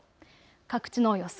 各地の予想